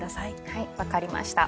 はい分かりました。